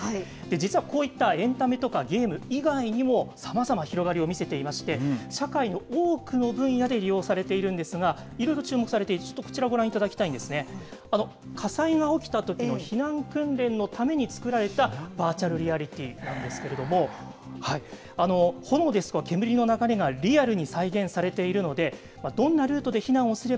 実はこういったエンタメとかゲーム以外にも、さまざまな広がりを見せていまして、社会の多くの分野で利用されているんですが、いろいろ注目されている、ちょっとこちらご覧いただきたいんですね、火災が起きたときの避難訓練のために作られたバーチャルリアリティーなんですけども、炎ですとか、煙の流れがリアルに再現されているので、どんなルートで避難すれ